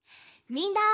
みんな。